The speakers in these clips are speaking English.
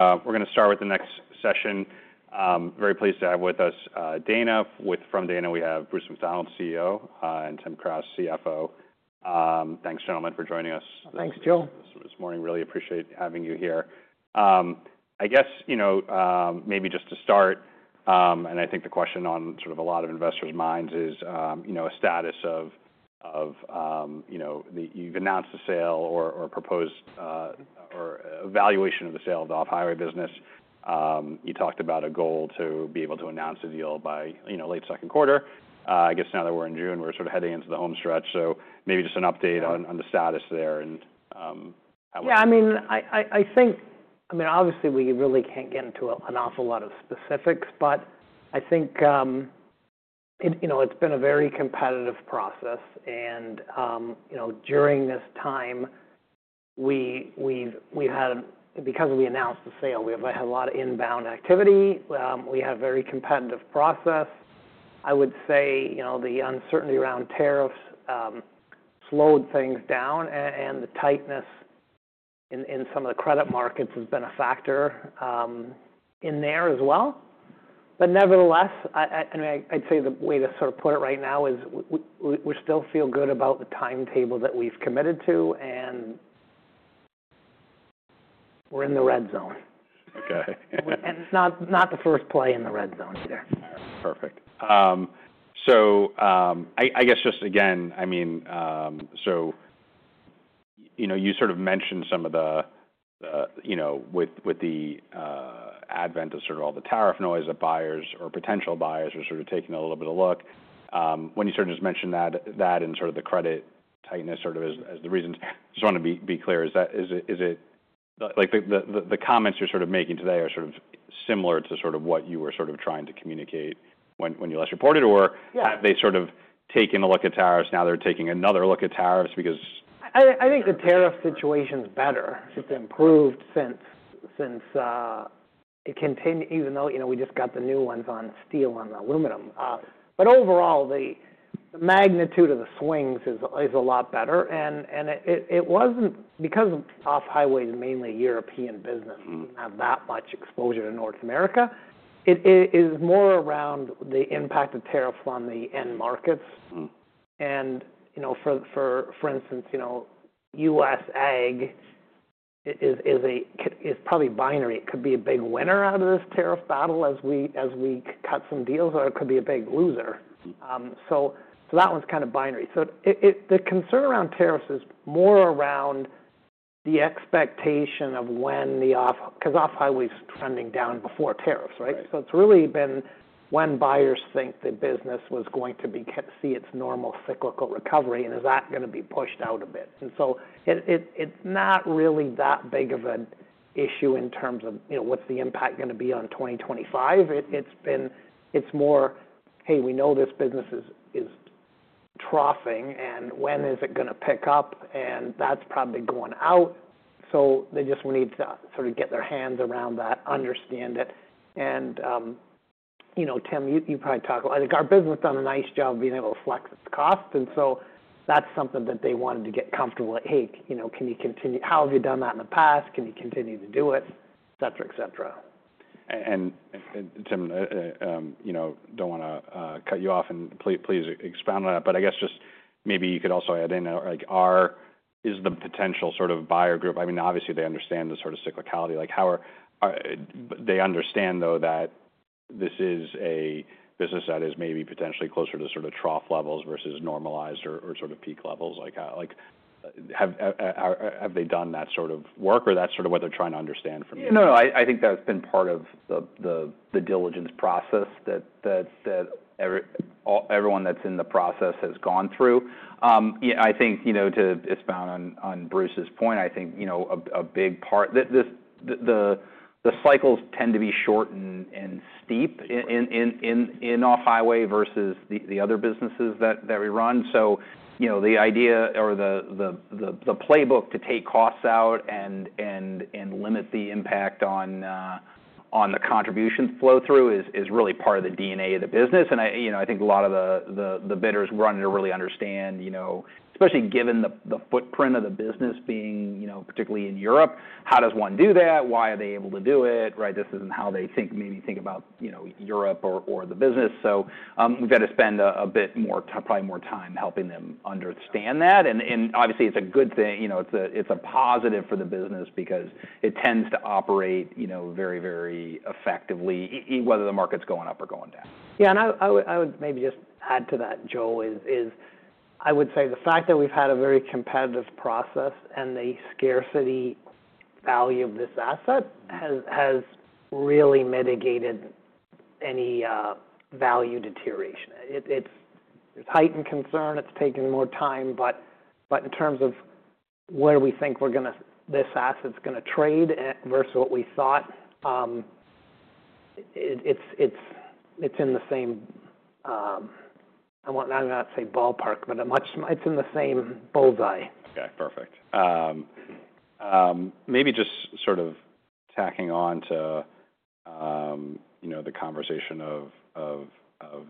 We're going to start with the next session. Very pleased to have with us, Dana. With from Dana we have Bruce McDonald, CEO, and Tim Kraus, CFO. Thanks, gentlemen, for joining us. Thanks, Joe. This morning. Really appreciate having you here. I guess, you know, maybe just to start, and I think the question on sort of a lot of investors' minds is, you know, a status of, you know, you've announced a sale or, or proposed, or evaluation of the sale of the off-highway business. You talked about a goal to be able to announce a deal by, you know, late second quarter. I guess now that we're in June, we're sort of heading into the home stretch. Maybe just an update on the status there and how. Yeah. I mean, I think, obviously we really can't get into an awful lot of specifics, but I think it's been a very competitive process. And, you know, during this time we've had, because we announced the sale, we've had a lot of inbound activity. We have a very competitive process. I would say the uncertainty around tariffs slowed things down, and the tightness in some of the credit markets has been a factor in there as well. Nevertheless, I mean, I'd say the way to sort of put it right now is we still feel good about the timetable that we've committed to, and we're in the red zone. Okay. It is not, not the first play in the red zone either. Perfect. So, I guess just again, I mean, you know, you sort of mentioned some of the, you know, with the advent of sort of all the tariff noise that buyers or potential buyers are sort of taking a little bit of a look. When you sort of just mentioned that and sort of the credit tightness as the reasons, I just want to be clear. Is it like the comments you're sort of making today are sort of similar to what you were trying to communicate when you last reported? Or. Yeah. Have they sort of taken a look at tariffs? Now they're taking another look at tariffs because. I think the tariff situation's better. It's improved since, since, it contin even though, you know, we just got the new ones on steel and aluminum. Overall, the magnitude of the swings is a lot better. It wasn't because off-highway's mainly European business. Mm-hmm. Doesn't have that much exposure to North America. It is more around the impact of tariffs on the end markets. Mm-hmm. For instance, you know, U.S. AG is probably binary. It could be a big winner out of this tariff battle as we cut some deals, or it could be a big loser. Mm-hmm. So that one's kinda binary. It, the concern around tariffs is more around the expectation of when the off, 'cause off-highway's trending down before tariffs, right? Right. It's really been when buyers think the business was going to see its normal cyclical recovery, and is that going to be pushed out a bit? It's not really that big of an issue in terms of, you know, what's the impact going to be on 2025. It's more, "Hey, we know this business is troughing, and when is it going to pick up?" That's probably going out. They just need to sort of get their hands around that, understand it. You know, Tim, you probably talked, I think our business has done a nice job of being able to flex its cost. That's something that they wanted to get comfortable at, "Hey, you know, can you continue? How have you done that in the past? Can you continue to do it?" etc., etc. And, Tim, you know, do not wanna cut you off, and please expound on that. I guess just maybe you could also add in, like, is the potential sort of buyer group, I mean, obviously they understand the sort of cyclicality. Like, do they understand though that this is a business that is maybe potentially closer to sort of trough levels versus normalized or sort of peak levels? Like, have they done that sort of work, or is that sort of what they are trying to understand from you? No, no. I think that's been part of the diligence process that everyone that's in the process has gone through. I think, you know, to expound on Bruce's point, I think, you know, a big part, the cycles tend to be short and steep in off-highway versus the other businesses that we run. You know, the idea or the playbook to take costs out and limit the impact on the contribution flow through is really part of the DNA of the business. I think a lot of the bidders run to really understand, especially given the footprint of the business being particularly in Europe, how does one do that? Why are they able to do it? Right? This isn't how they think, maybe think about, you know, Europe or the business. We've had to spend a bit more, probably more time helping them understand that. Obviously, it's a good thing, you know, it's a positive for the business because it tends to operate, you know, very, very effectively whether the market's going up or going down. Yeah. I would maybe just add to that, Joe, I would say the fact that we've had a very competitive process and the scarcity value of this asset has really mitigated any value deterioration. It's, there's heightened concern. It's taken more time. In terms of where we think this asset's going to trade versus what we thought, it's in the same, I won't say ballpark, but it's in the same bull's eye. Okay. Perfect. Maybe just sort of tacking on to, you know, the conversation of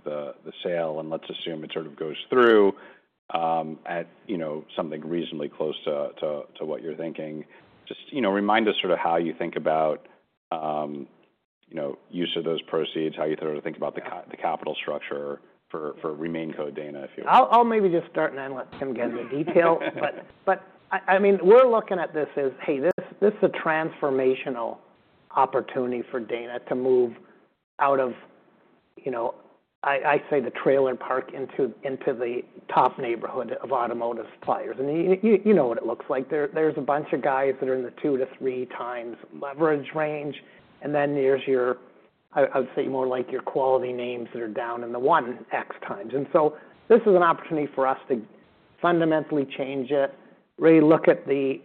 the sale, and let's assume it sort of goes through at, you know, something reasonably close to what you're thinking. Just, you know, remind us sort of how you think about, you know, use of those proceeds, how you thought to think about the capital structure for RemainCo Dana if you would. I'll maybe just start and then let Tim get into detail. Sure. I mean, we're looking at this as, "Hey, this is a transformational opportunity for Dana to move out of, you know, I say the trailer park into the top neighborhood of automotive suppliers." You know what it looks like. There's a bunch of guys that are in the two- to three-times leverage range. Then there's your, I would say, more like your quality names that are down in the one-times. This is an opportunity for us to fundamentally change it, really look at the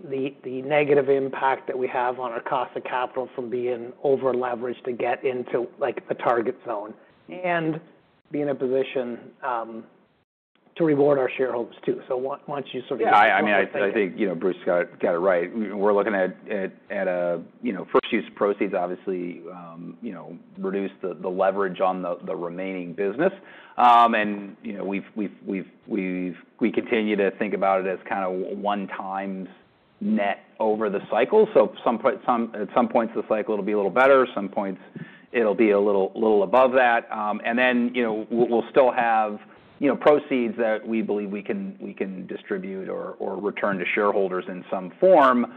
negative impact that we have on our cost of capital from being over-leveraged to get into a target zone and be in a position to reward our shareholders too. Once you sort of. Yeah. I mean, I think, you know, Bruce's got it right. We're looking at, you know, first-use proceeds, obviously, you know, reduce the leverage on the remaining business. And, you know, we continue to think about it as kinda one-time's net over the cycle. Some points the cycle'll be a little better. Some points it'll be a little above that. And then, you know, we'll still have, you know, proceeds that we believe we can distribute or return to shareholders in some form,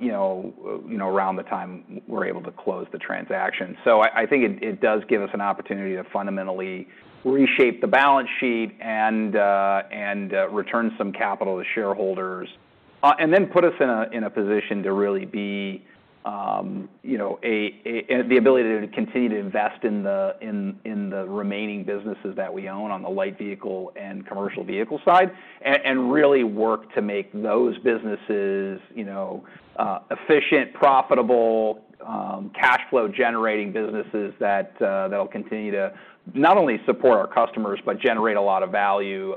you know, around the time we're able to close the transaction. I think it does give us an opportunity to fundamentally reshape the balance sheet and return some capital to shareholders, and then put us in a position to really be, you know, the ability to continue to invest in the remaining businesses that we own on the Light vehicle and Commercial vehicle side and really work to make those businesses, you know, efficient, profitable, cash flow generating businesses that will continue to not only support our customers but generate a lot of value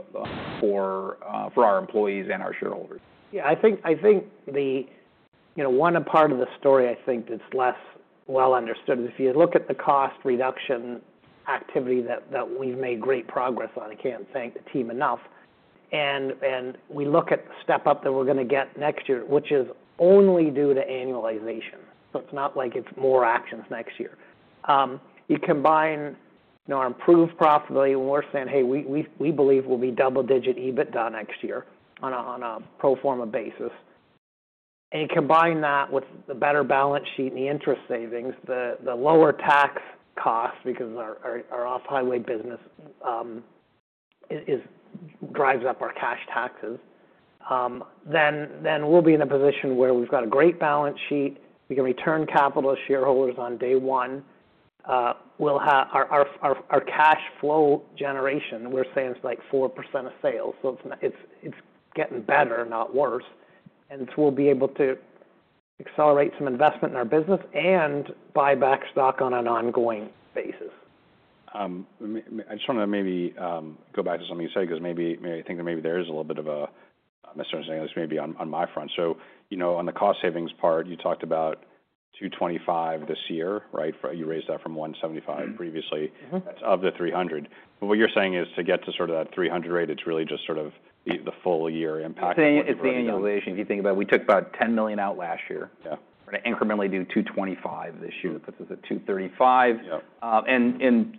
for our employees and our shareholders. Yeah. I think the, you know, one part of the story I think that's less well understood is if you look at the cost reduction activity that we've made great progress on, I can't thank the team enough. We look at the step up that we're going to get next year, which is only due to annualization. It's not like it's more actions next year. You combine our improved profitability when we're saying, "Hey, we believe we'll be double-digit EBITDA next year on a pro forma basis." You combine that with the better balance sheet and the interest savings, the lower tax costs because our off-highway business drives up our cash taxes, then we'll be in a position where we've got a great balance sheet. We can return capital to shareholders on day one. We'll have our cash flow generation, we're saying it's like 4% of sales. It's getting better, not worse. We will be able to accelerate some investment in our business and buy back stock on an ongoing basis. I just wanna maybe go back to something you said 'cause maybe, maybe I think that maybe there is a little bit of a misunderstanding that's maybe on my front. You know, on the cost savings part, you talked about $225 million this year, right? You raised that from $175 million previously. Mm-hmm. That's of the $300 million. What you're saying is to get to sort of that 300 rate, it's really just sort of the full year impacting. It's the annualization. If you think about it, we took about $10 million out last year. Yeah. We're going to incrementally do $225 million this year. Yeah. That puts us at $235 million. Yep. And,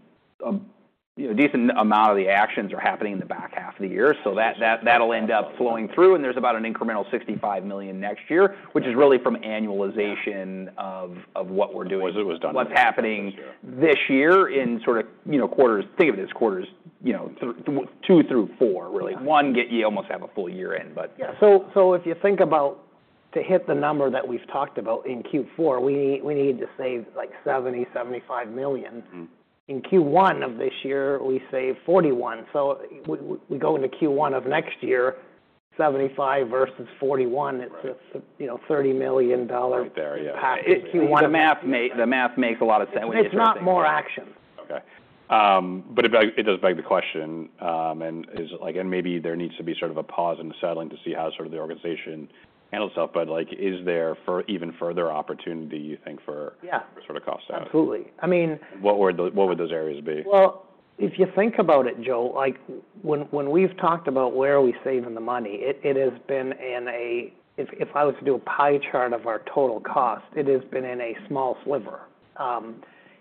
you know, a decent amount of the actions are happening in the back half of the year. That'll end up flowing through. And there's about an incremental $65 million next year, which is really from annualization of what we're doing. Was it was done? What's happening this year in sort of, you know, quarters, think of it as quarters, you know, sort of two through four, really. Yeah. One, you almost have a full year in, but. Yeah. If you think about to hit the number that we've talked about in Q4, we need to save like $70 million-$75 million. Mm-hmm. In Q1 of this year, we saved $41 million. We go into Q1 of next year, $75 million versus $41 million. Right. It's a, you know, $30 million. Right there. Yeah. Package. The math makes a lot of sense. It is not more action. Okay. But it does beg the question, and is it like, and maybe there needs to be sort of a pause and a settling to see how sort of the organization handles itself. But like, is there even further opportunity, you think, for. Yeah. For sort of cost savings? Absolutely. I mean. What would those areas be? If you think about it, Joe, like when we've talked about where are we saving the money, it has been in a, if I was to do a pie chart of our total cost, it has been in a small sliver.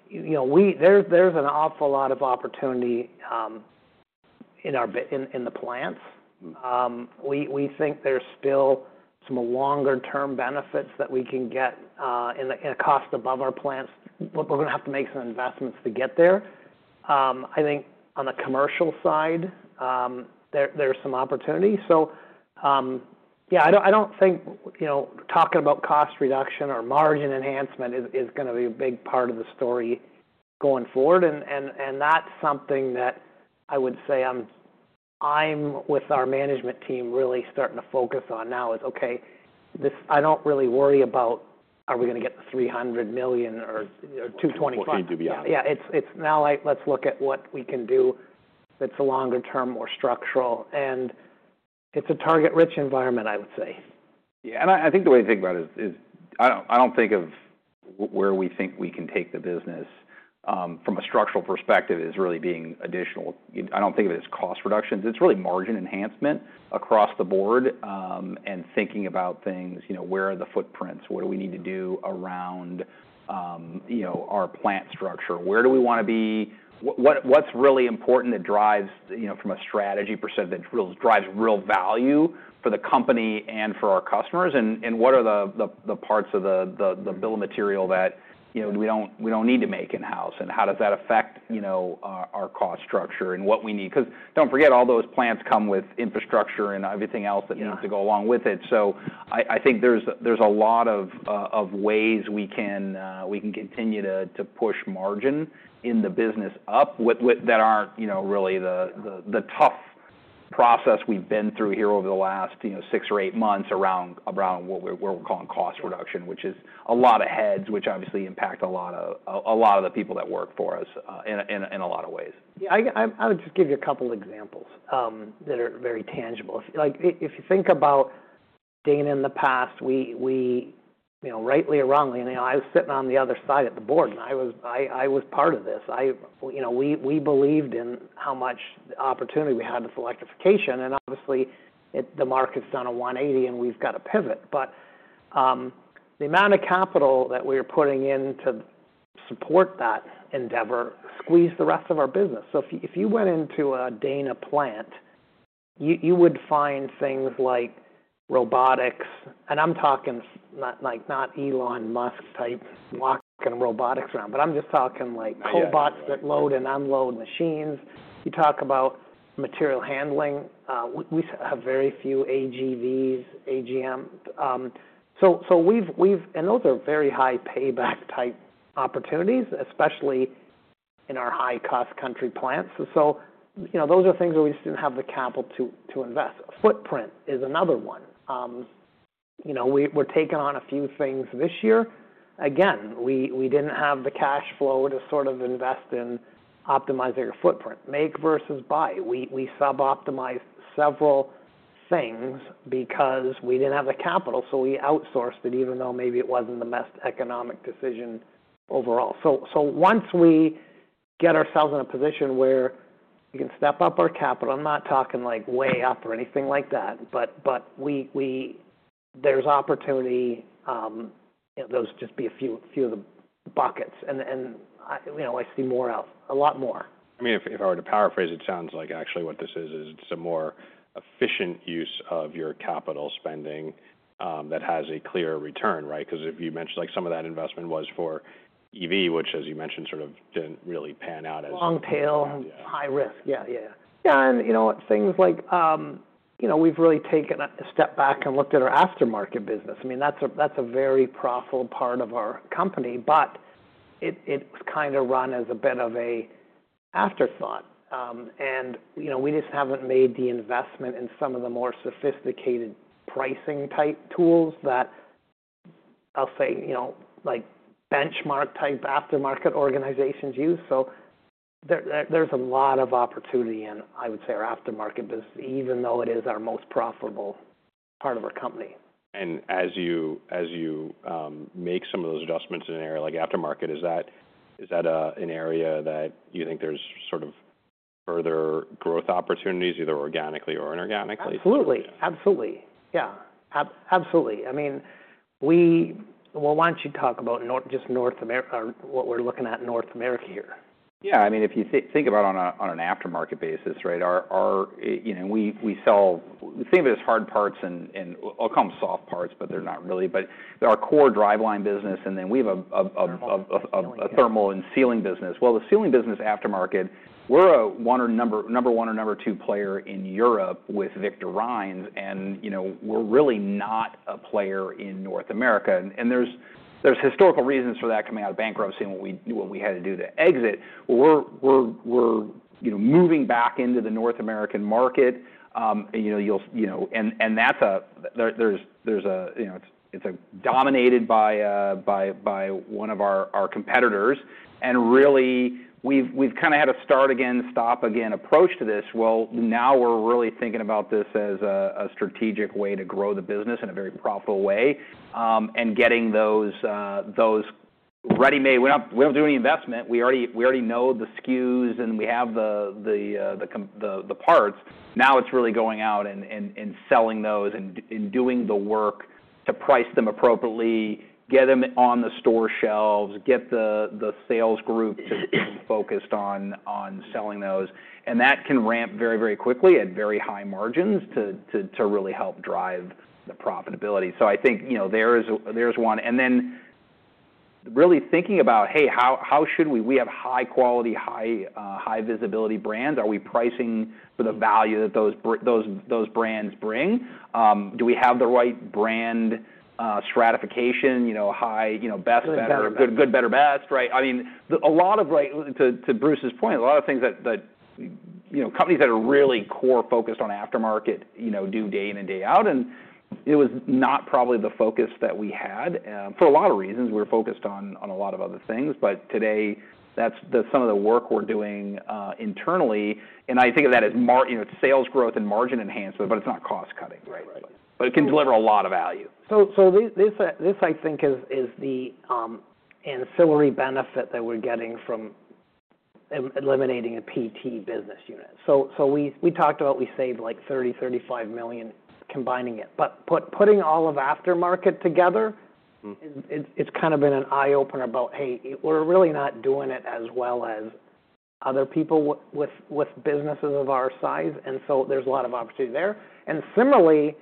You know, there's an awful lot of opportunity in our, in the plants. Mm-hmm. We think there's still some longer-term benefits that we can get in the cost above our plants, but we're going to have to make some investments to get there. I think on the commercial side, there's some opportunity. Yeah, I don't think, you know, talking about cost reduction or margin enhancement is going to be a big part of the story going forward. That's something that I would say I'm with our management team really starting to focus on now is, okay, this I don't really worry about are we going to get the $300 million or $225 million. What you do beyond that. Yeah. It's, it's now like, let's look at what we can do that's a longer-term, more structural. And it's a target-rich environment, I would say. Yeah. I think the way to think about it is, I don't think of where we think we can take the business, from a structural perspective, as really being additional. I don't think of it as cost reduction. It's really margin enhancement across the board, and thinking about things, you know, where are the footprints? What do we need to do around, you know, our plant structure? Where do we want to be? What's really important that drives, you know, from a strategy percent, that really drives real value for the company and for our customers? What are the parts of the bill of material that, you know, we don't need to make in-house? How does that affect, you know, our cost structure and what we need? 'Cause don't forget all those plants come with infrastructure and everything else that needs to go along with it. I think there's a lot of ways we can continue to push margin in the business up that aren't really the tough process we've been through here over the last six or eight months around what we're calling cost reduction, which is a lot of heads, which obviously impact a lot of the people that work for us in a lot of ways. Yeah. I would just give you a couple examples that are very tangible. If you like, if you think about Dana in the past, we, you know, rightly or wrongly, and, you know, I was sitting on the other side at the board, and I was part of this. I, you know, we believed in how much the opportunity we had with electrification. Obviously, the market's done a 180, and we've gotta pivot. The amount of capital that we were putting in to support that endeavor squeezed the rest of our business. If you went into a Dana plant, you would find things like robotics, and I'm talking not, like, not Elon Musk-type walking robotics around, but I'm just talking like cobots that load and unload machines. You talk about material handling. We have very few AGVs, AGM, so we've, and those are very high payback-type opportunities, especially in our high-cost country plants. And so, you know, those are things that we just didn't have the capital to invest. Footprint is another one. You know, we're taking on a few things this year. Again, we didn't have the cash flow to sort of invest in optimizing your footprint. Make versus buy. We suboptimized several things because we didn't have the capital, so we outsourced it even though maybe it wasn't the best economic decision overall. Once we get ourselves in a position where we can step up our capital, I'm not talking like way up or anything like that, but there's opportunity, you know, those just be a few of the buckets.I, you know, I see more out, a lot more. I mean, if I were to paraphrase, it sounds like actually what this is, is it's a more efficient use of your capital spending, that has a clear return, right? 'Cause if you mentioned like some of that investment was for EV, which, as you mentioned, sort of didn't really pan out as. Long tail. Yeah. High risk. Yeah. You know, things like, you know, we've really taken a step back and looked at our aftermarket business. I mean, that's a very profitable part of our company, but it was kind of run as a bit of an afterthought. You know, we just haven't made the investment in some of the more sophisticated pricing-type tools that, I'll say, like benchmark-type aftermarket organizations use. There is a lot of opportunity in, I would say, our aftermarket business, even though it is our most profitable part of our company. As you make some of those adjustments in an area like aftermarket, is that an area that you think there's sort of further growth opportunities, either organically or inorganically? Absolutely. For sure. Absolutely. Yeah. Absolutely. I mean, why don't you talk about not just North America or what we're looking at North America here. Yeah. I mean, if you think about on an aftermarket basis, right, our, our, you know, we sell, think of it as hard parts and, and I'll call them soft parts, but they're not really. But our core driveline business, and then we have a thermal and sealing business. The sealing business aftermarket, we're a number one or number two player in Europe with Victor Reinz. You know, we're really not a player in North America. There are historical reasons for that coming out of bankruptcy and what we had to do to exit. We're, you know, moving back into the North American market. And, you know, you'll, you know, and that's a, there, there's a, you know, it's, it's dominated by one of our competitors. And really, we've kind of had a start again, stop again approach to this. Now we're really thinking about this as a strategic way to grow the business in a very profitable way, and getting those ready-made. We do not do any investment. We already know the SKUs, and we have the parts. Now it's really going out and selling those and doing the work to price them appropriately, get them on the store shelves, get the sales group to be focused on selling those. That can ramp very, very quickly at very high margins to really help drive the profitability. I think, you know, there is one. And then really thinking about, hey, how, how should we, we have high-quality, high-visibility brands. Are we pricing for the value that those brands bring? Do we have the right brand stratification, you know, best, better, good, good, better, best, right? I mean, a lot of, right, to Bruce's point, a lot of things that, you know, companies that are really core focused on aftermarket, you know, do day in and day out. It was not probably the focus that we had, for a lot of reasons. We were focused on a lot of other things. Today, that's some of the work we're doing internally. I think of that as, you know, it's sales growth and margin enhancement, but it's not cost cutting, right? Right. It can deliver a lot of value. This, I think, is the ancillary benefit that we're getting from eliminating a PT business unit. We talked about we saved like $30 million-$35 million combining it, but putting all of aftermarket together. Mm-hmm. Is, is it's kinda been an eye-opener about, hey, we're really not doing it as well as other people with businesses of our size. There's a lot of opportunity there. Similarly,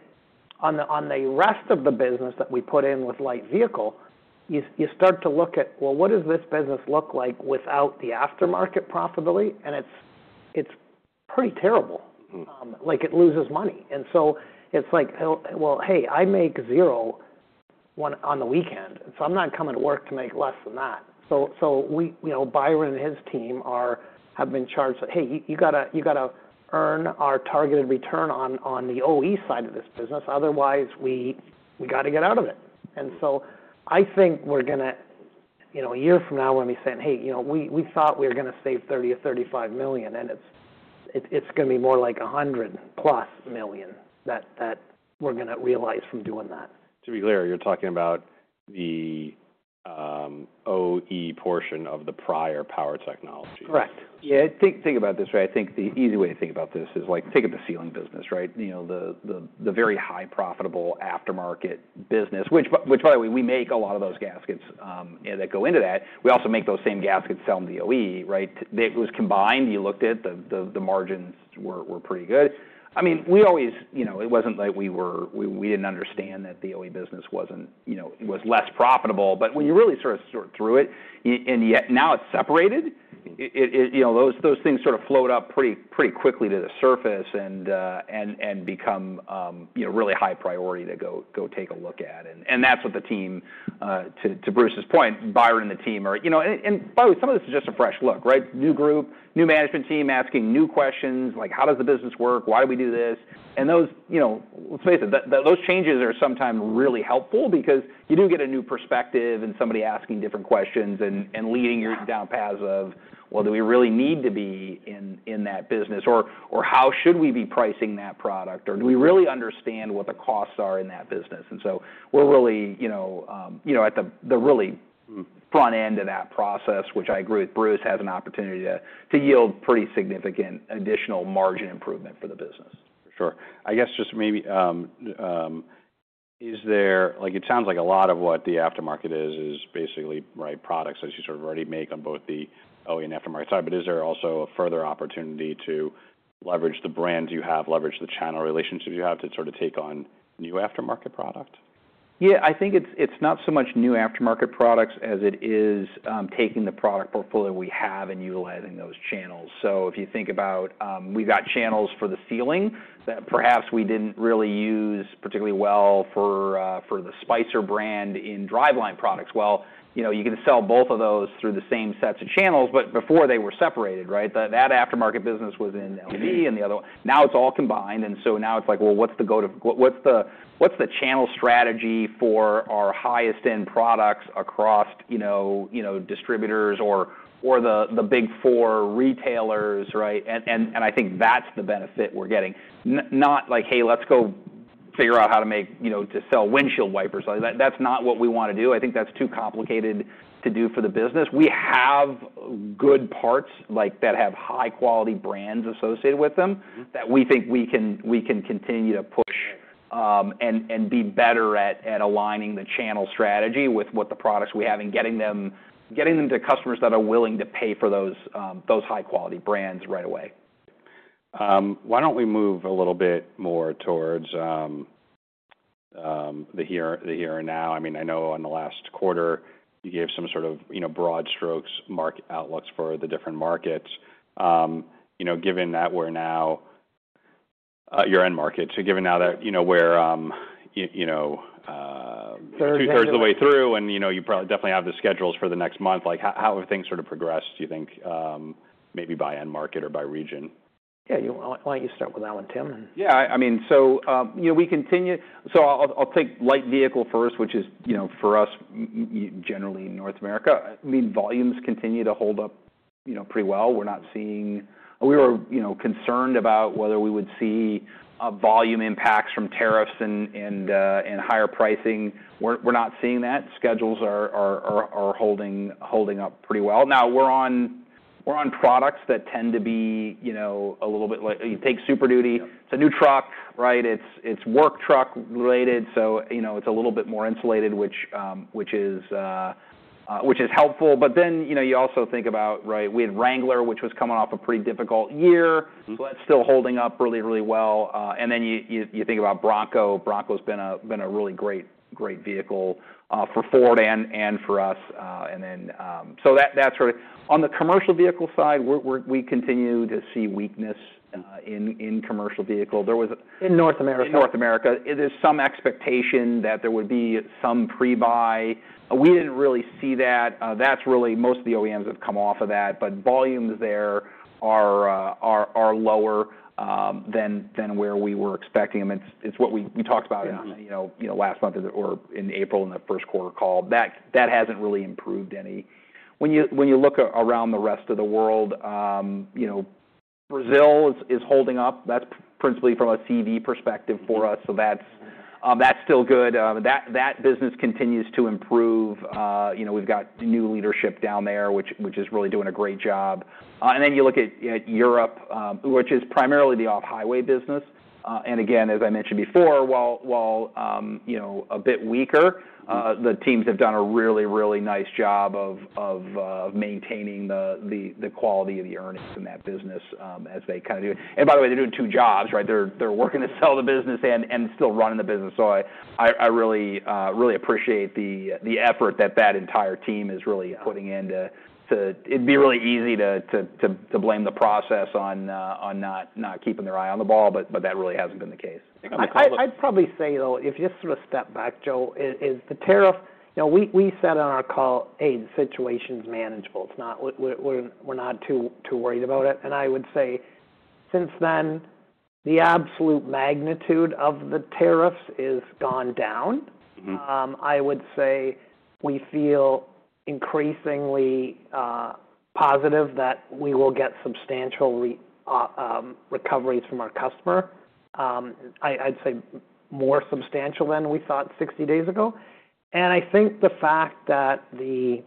on the rest of the business that we put in with Light vehicle, you start to look at, well, what does this business look like without the aftermarket profitability? It's pretty terrible. Mm-hmm. Like, it loses money. It's like, well, hey, I make zero one on the weekend. I'm not coming to work to make less than that. We, you know, Byron and his team have been charged that, hey, you gotta earn our targeted return on the OE side of this business. Otherwise, we gotta get out of it. I think we're going to, you know, a year from now, we're going to be saying, hey, you know, we thought we were going to save $30 million or $35 million, and it's going to be more like $100 + million that we're going to realize from doing that. To be clear, you're talking about the OE portion of the prior power technology. Correct. Yeah. Think about this, right? I think the easy way to think about this is like, think of the sealing business, right? You know, the very high-profitable aftermarket business, which, by the way, we make a lot of those Gaskets that go into that. We also make those same Gaskets selling to the OE, right? It was combined. You looked at the margins were pretty good. I mean, we always, you know, it wasn't like we didn't understand that the OE business was less profitable. But when you really sort through it, and yet now it's separated, those things sort of float up pretty quickly to the surface and become, you know, really high priority to go take a look at. That is what the team, to Bruce's point, Byron and the team are, you know, and by the way, some of this is just a fresh look, right? New group, new management team asking new questions like, how does the business work? Why do we do this? Those changes are sometimes really helpful because you do get a new perspective and somebody asking different questions and leading you down paths of, well, do we really need to be in that business? Or how should we be pricing that product? Or do we really understand what the costs are in that business? We are really, you know, at the really front end of that process, which I agree with Bruce has an opportunity to yield pretty significant additional margin improvement for the business. For sure. I guess just maybe, is there like, it sounds like a lot of what the aftermarket is, is basically, right, products that you sort of already make on both the OE and aftermarket side. But is there also a further opportunity to leverage the brands you have, leverage the channel relationships you have to sort of take on new aftermarket product? Yeah. I think it's, it's not so much new aftermarket products as it is, taking the product portfolio we have and utilizing those channels. If you think about, we've got channels for the sealing that perhaps we didn't really use particularly well for the Spicer brand in driveline products. You know, you can sell both of those through the same sets of channels, but before they were separated, right? That aftermarket business was in LVD and the other one. Now it's all combined. Now it's like, well, what's the go-to, what's the channel strategy for our highest-end products across, you know, distributors or the big four retailers, right? I think that's the benefit we're getting. Not like, hey, let's go figure out how to make, you know, to sell windshield wipers. That's not what we wanna do. I think that's too complicated to do for the business. We have good parts, like, that have high-quality brands associated with them that we think we can continue to push, and be better at aligning the channel strategy with what the products we have and getting them to customers that are willing to pay for those high-quality brands right away. Why don't we move a little bit more towards the here and now?I mean, I know on the last quarter, you gave some sort of, you know, broad strokes market outlooks for the different markets. You know, given that we're now, your end market, so given now that, you know, we're, you know, Third of the year. Two-thirds of the way through, and, you know, you probably definitely have the schedules for the next month. Like, how have things sort of progressed, do you think, maybe by end market or by region? Yeah. Why don't you start with that one, Tim? Yeah. I mean, so, you know, we continue, so I'll take Light vehicle first, which is, you know, for us, generally in North America. I mean, volumes continue to hold up pretty well. We're not seeing, we were, you know, concerned about whether we would see a volume impact from tariffs and higher pricing. We're not seeing that. Schedules are holding up pretty well. Now we're on products that tend to be, you know, a little bit like you take Super Duty. It's a new truck, right? It's work truck related. You know, it's a little bit more insulated, which is helpful. You also think about, right, we had Wrangler, which was coming off a pretty difficult year. That's still holding up really, really well. And then you think about Bronco. Bronco's been a really great vehicle for Ford and for us. That's sort of on the Commercial vehicle side. We continue to see weakness in Commercial vehicle. There was. In North America. In North America, there's some expectation that there would be some pre-buy. We didn't really see that. That's really most of the OEMs have come off of that. Volumes there are lower than where we were expecting them. It's what we talked about in, you know, last month or in April in the first quarter call. That hasn't really improved any. When you look around the rest of the world, you know, Brazil is holding up. That's principally from a CV perspective for us. That's still good. That business continues to improve. You know, we've got new leadership down there, which is really doing a great job. Then you look at Europe, which is primarily the off-highway business. And again, as I mentioned before, while, you know, a bit weaker, the teams have done a really, really nice job of maintaining the quality of the earnings in that business, as they kinda do. By the way, they're doing two jobs, right? They're working to sell the business and still running the business. I really, really appreciate the effort that that entire team is really putting in. It'd be really easy to blame the process on not keeping their eye on the ball. That really hasn't been the case. I'd probably say, though, if you just sort of step back, Joe, is the tariff, you know, we said on our call, hey, the situation's manageable. We're not too, too worried about it. I would say since then, the absolute magnitude of the tariffs has gone down. Mm-hmm. I would say we feel increasingly positive that we will get substantial recoveries from our customer. I'd say more substantial than we thought 60 days ago. I think the fact that, on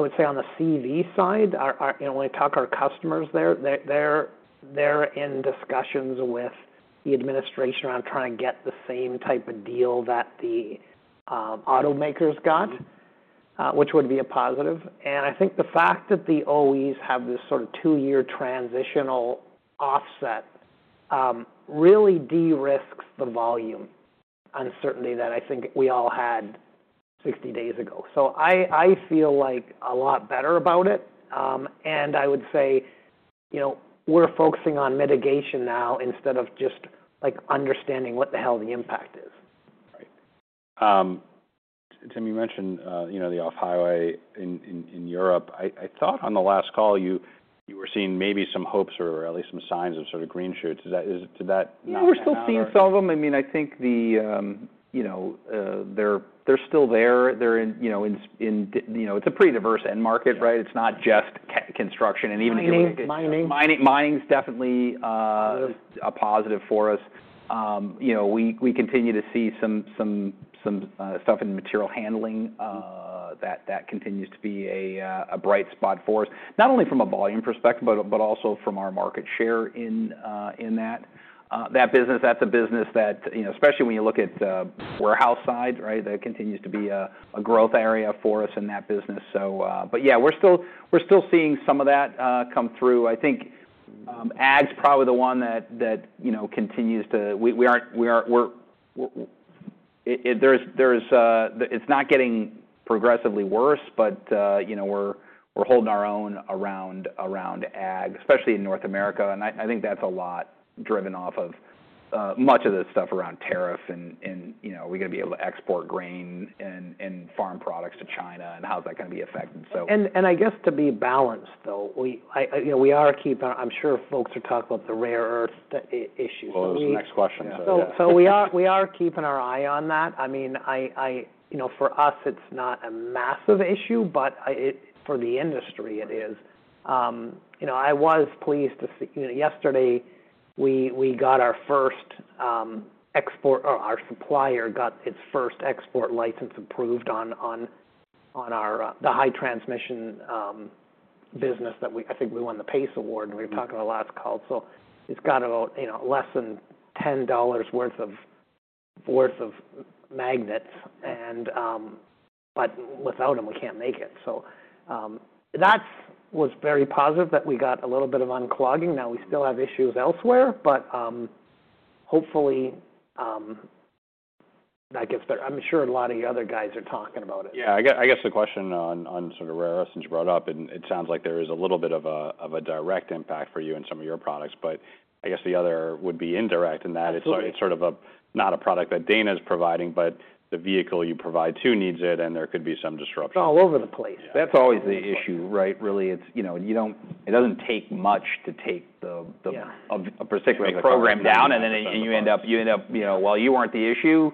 the CV side, when we talk to our customers, they're in discussions with the administration around trying to get the same type of deal that the automakers got, which would be a positive. I think the fact that the OEs have this sort of two-year transitional offset really de-risks the volume uncertainty that I think we all had 60 days ago. I feel like a lot better about it. I would say we're focusing on mitigation now instead of just, like, understanding what the hell the impact is. Right. Tim, you mentioned, you know, the off-highway in Europe. I thought on the last call you were seeing maybe some hopes or at least some signs of sort of green shoots. Is that, did that not happen? Yeah. We're still seeing some of them. I mean, I think the, you know, they're still there. They're in it's a pretty diverse end market, right? It's not just ca-construction and even getting into. Mining, mining. Mining, mining's definitely a positive for us. You know, we continue to see some stuff in material handling that continues to be a bright spot for us, not only from a volume perspective but also from our market share in that business. That's a business that, you know, especially when you look at the warehouse side, right, that continues to be a growth area for us in that business. Yeah, we're still seeing some of that come through. I think ag's probably the one that, you know, continues to, there's, it's not getting progressively worse, but, you know, we're holding our own around ag, especially in North America. I think that's a lot driven off of much of the stuff around tariff and, you know, are we going to be able to export grain and farm products to China and how's that going to be affected. I guess to be balanced, though, I, you know, we are keeping, I'm sure folks are talking about the rare earth issues for we. It was the next question, so. Yeah. We are keeping our eye on that. I mean, I, you know, for us, it's not a massive issue, but for the industry, it is. You know, I was pleased to see, you know, yesterday, we got our first export, or our supplier got its first export license approved on our high transmission business that we, I think, we won the PACE award. We were talking about last call. So it has about, you know, less than $10 worth of magnets. And, but without them, we can't make it. That was very positive that we got a little bit of unclogging. Now we still have issues elsewhere, but hopefully, that gets better. I'm sure a lot of your other guys are talking about it. Yeah. I guess the question on, on sort of rare earths that you brought up, and it sounds like there is a little bit of a direct impact for you in some of your products, but I guess the other would be indirect in that it's. Absolutely. It's sort of not a product that Dana's providing, but the vehicle you provide too needs it, and there could be some disruption. All over the place. Yeah. That's always the issue, right? Really, it's, you know, you don't, it doesn't take much to take the, the. Yeah. Of a particular program down, and then you end up, you know, well, you weren't the issue.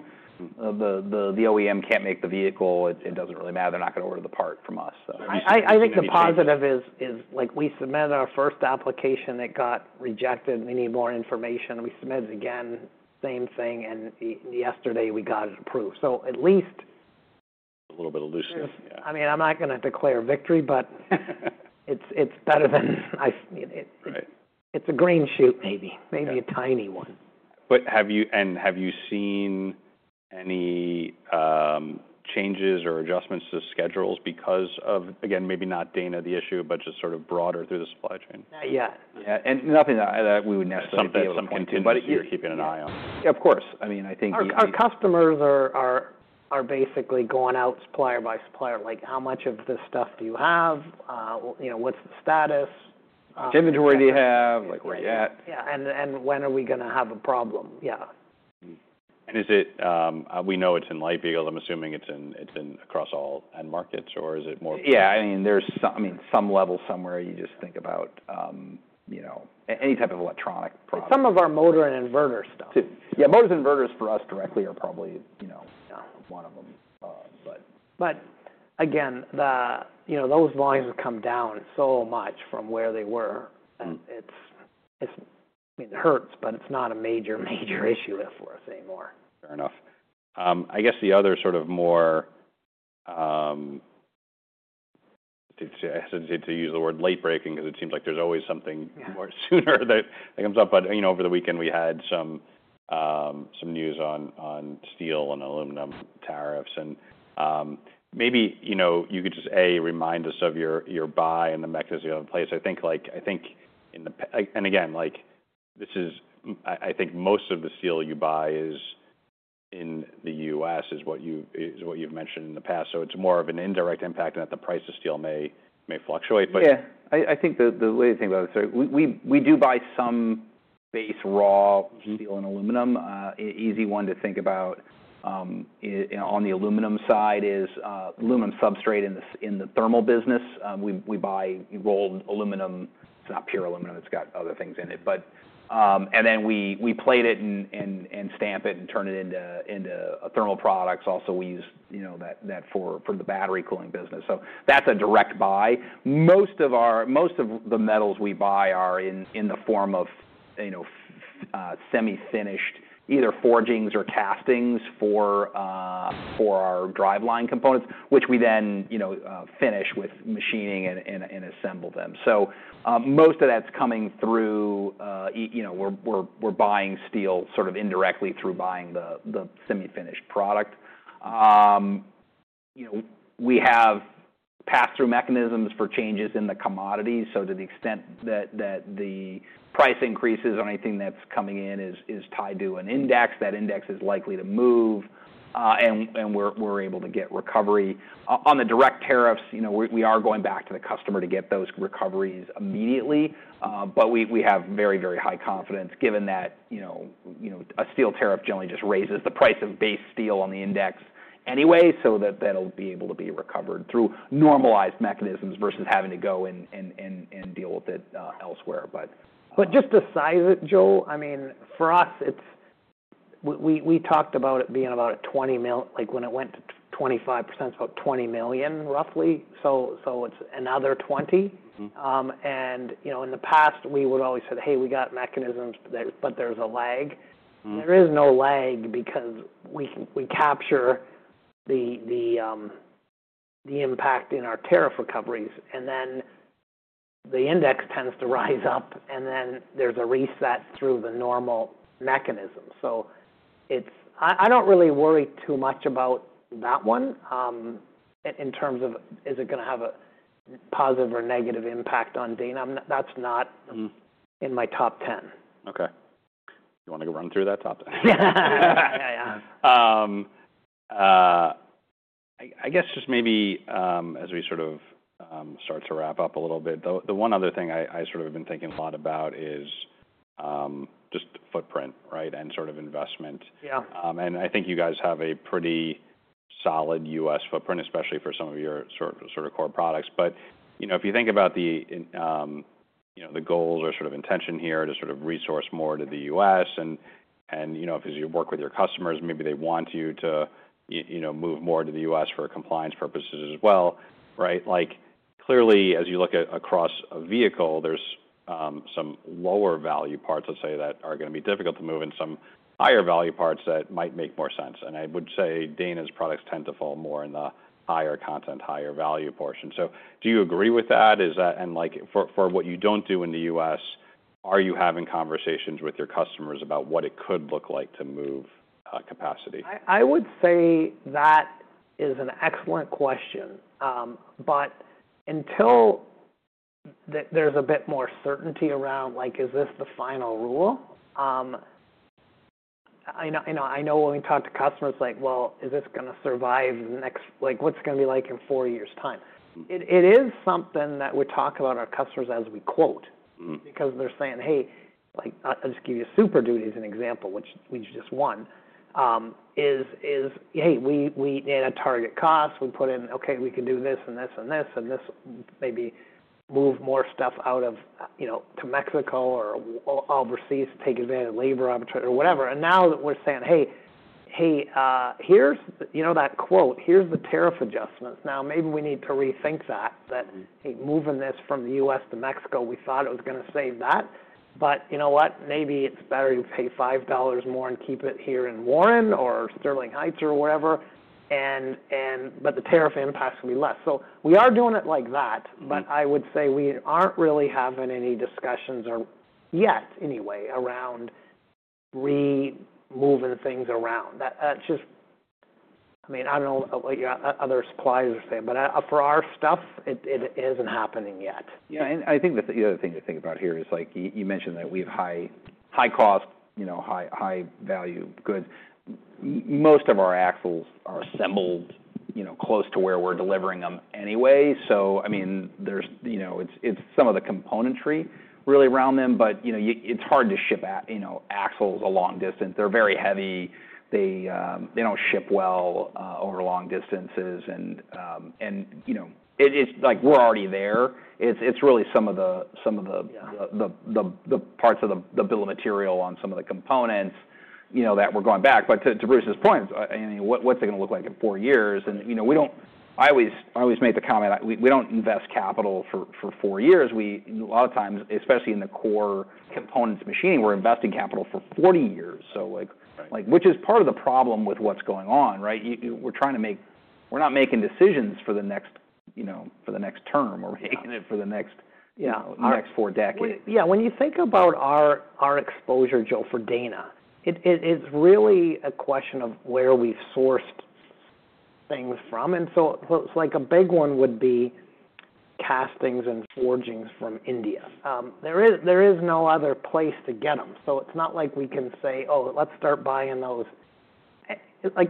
The OEM can't make the vehicle. It doesn't really matter. They're not going to order the part from us, so. There's just. I think the positive is, like, we submitted our first application. It got rejected. We need more information. We submitted it again, same thing. Yesterday, we got it approved. At least. A little bit of looseness. Yeah. I mean, I'm not going to declare victory, but it's better than I said it is. Right. It's a green shoot maybe. Right. Maybe a tiny one. Have you seen any changes or adjustments to schedules because of, again, maybe not Dana the issue, but just sort of broader through the supply chain? Not yet. Yeah. Nothing that we would necessarily be able to continue to keep an eye on. Yeah. Of course. I mean, I think you can. Our customers are basically going out supplier by supplier, like, how much of this stuff do you have? You know, what's the status? Which inventory do you have? Like, where are you at? Yeah. And when are we going to have a problem? Yeah. Is it, we know it's in Light vehicles. I'm assuming it's in, it's in across all end markets, or is it more? Yeah. I mean, there's some, I mean, some level somewhere you just think about, you know, any type of electronic product. Some of our motor and inverter stuff. Too. Yeah. Motors and inverters for us directly are probably, you know, one of them, but. Again, those volumes have come down so much from where they were. I mean, it hurts, but it's not a major, major issue there for us anymore. Fair enough. I guess the other sort of more, to use the word late breaking 'cause it seems like there's always something more sooner that comes up. Over the weekend, we had some news on steel and aluminum tariffs. Maybe you could just, A, remind us of your buy and the mechanism in place. I think, like, I think in the past, and again, like, this is, I think most of the steel you buy in the U.S. is what you've mentioned in the past.It's more of an indirect impact in that the price of steel may, may fluctuate, but. Yeah. I think the way to think about it, sir, we do buy some base raw steel and aluminum. Easy one to think about on the aluminum side is aluminum substrate in the Thermal business. We buy rolled aluminum. It's not pure aluminum. It's got other things in it. But, and then we plate it and stamp it and turn it into Thermal products. Also, we use, you know, that for the Battery cooling business. So that's a direct buy. Most of the metals we buy are in the form of semi-finished either forgings or castings for our Driveline components, which we then finish with machining and assemble them. Most of that's coming through, you know, we're buying steel sort of indirectly through buying the semi-finished product. You know, we have pass-through mechanisms for changes in the commodities. To the extent that the price increases on anything that's coming in is tied to an index, that index is likely to move, and we're able to get recovery. On the direct tariffs, you know, we are going back to the customer to get those recoveries immediately. We have very, very high confidence given that, you know, a steel tariff generally just raises the price of base steel on the index anyway, so that will be able to be recovered through normalized mechanisms versus having to go and deal with it elsewhere. Just the size of it, Joe, I mean, for us, we talked about it being about a $20 million, like, when it went to 25%, it's about $20 million roughly. So it's another $20 million. You know, in the past, we would always say, "Hey, we got mechanisms, but there's a lag." There is no lag because we capture the impact in our tariff recoveries, and then the index tends to rise up, and then there's a reset through the normal mechanism. I don't really worry too much about that one, in terms of is it going to have a positive or negative impact on Dana. That's not in my top 10. Okay. You wanna go run through that top 10? Yeah. I guess just maybe, as we sort of start to wrap up a little bit, the one other thing I sort of have been thinking a lot about is just footprint, right, and sort of investment. Yeah. I think you guys have a pretty solid U.S. footprint, especially for some of your sort, sort of core products. You know, if you think about the, you know, the goals or sort of intention here to sort of resource more to the U.S., and, you know, because you work with your customers, maybe they want you to, you know, move more to the U.S. for compliance purposes as well, right? Clearly, as you look across a vehicle, there are some lower value parts, let's say, that are going to be difficult to move and some higher value parts that might make more sense. I would say Dana's products tend to fall more in the higher content, higher value portion. Do you agree with that? Is that and, like, for what you don't do in the U.S., are you having conversations with your customers about what it could look like to move capacity? I would say that is an excellent question. Until there's a bit more certainty around, like, is this the final rule, I know when we talk to customers, like, "Is this going to survive the next, like, what's it going to be like in four years' time?" It is something that we talk about with our customers as we quote. Mm-hmm. Because they're saying, "Hey, like, I'll just give you Super Duty as an example, which we just won, is, 'Hey, we at a target cost, we put in, okay, we can do this and this and this, maybe move more stuff out of, you know, to Mexico or overseas, take advantage of labor arbitrage or whatever.'" Now that we're saying, "Hey, here's the, you know, that quote, here's the tariff adjustments. Now maybe we need to rethink that, that, hey, moving this from the U.S. to Mexico, we thought it was going to save that, but you know what? Maybe it's better to pay $5 more and keep it here in Warren or Sterling Heights or wherever, but the tariff impact's going to be less. We are doing it like that, but I would say we aren't really having any discussions yet anyway around moving things around. That's just, I mean, I don't know what your other suppliers are saying, but for our stuff, it isn't happening yet. Yeah. I think the other thing to think about here is, like, you mentioned that we have high, high cost, you know, high, high value goods. Most of our axles are assembled, you know, close to where we're delivering them anyway. I mean, there's, you know, it's some of the componentry really around them, but, you know, it's hard to ship a, you know, axles a long distance. They're very heavy. They don't ship well over long distances. You know, it's like, we're already there. It's really some of the parts of the bill of material on some of the components, you know, that we're going back. But to Bruce's point, I mean, what's it going to look like in four years? You know, I always make the comment, we do not invest capital for four years. A lot of times, especially in the core components machining, we are investing capital for 40 years. Like. Right. Like, which is part of the problem with what's going on, right? You know, we're trying to make—we're not making decisions for the next, you know, for the next term. We're making it for the next. Yeah. You know, next four decades. Yeah. When you think about our exposure, Joe, for Dana, it is really a question of where we've sourced things from. It's like a big one would be castings and forgings from India. There is no other place to get them. It's not like we can say, "Oh, let's start buying those."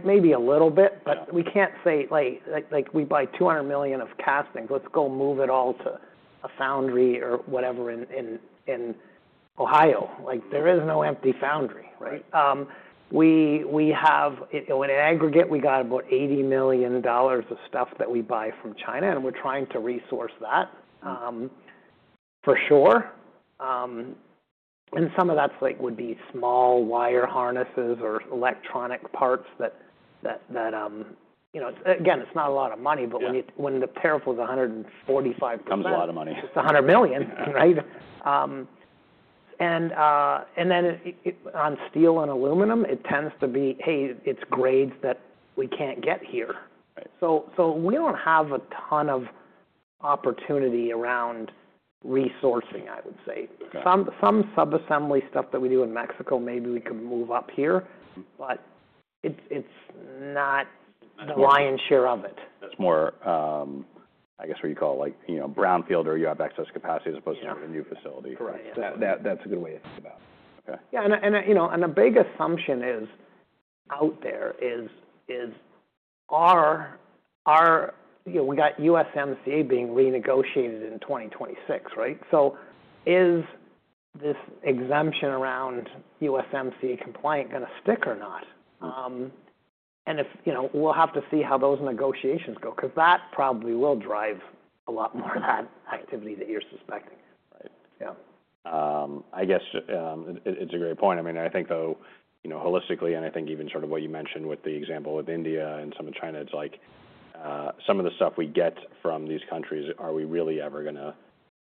Maybe a little bit, but we can't say, like, we buy $200 million of castings. Let's go move it all to a foundry or whatever in Ohio. There is no empty foundry, right? Right. We have, in aggregate, about $80 million of stuff that we buy from China, and we're trying to resource that, for sure. Some of that would be small wire harnesses or electronic parts that, you know, it's not a lot of money, but when the tariff was 145%. It comes a lot of money. It's $100 million, right? And then it, it on steel and aluminum, it tends to be, "Hey, it's grades that we can't get here. Right. So we do not have a ton of opportunity around resourcing, I would say. Okay. Some sub-assembly stuff that we do in Mexico, maybe we could move up here, but it's not the lion's share of it. That's more, I guess what you call, like, you know, brownfield or you have excess capacity as opposed to. Yeah. A new facility. Correct. That's a good way to think about it. Okay. Yeah. And, you know, the big assumption out there is, is our, our, you know, we got USMCA being renegotiated in 2026, right? So is this exemption around USMCA compliant going to stick or not? And if, you know, we'll have to see how those negotiations go 'cause that probably will drive a lot more of that activity that you're suspecting. Right. Yeah. I guess it's a great point. I mean, I think, though, you know, holistically, and I think even sort of what you mentioned with the example with India and some of China, it's like, some of the stuff we get from these countries, are we really ever going to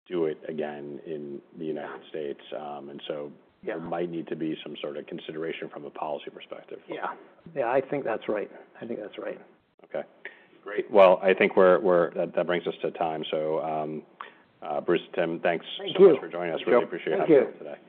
do it again in the United States? And so. Yeah. There might need to be some sort of consideration from a policy perspective. Yeah. I think that's right. Okay. Great. I think that brings us to time. Bruce, Tim, thanks so much for joining us. Thank you. Really appreciate it. Thank you. Today.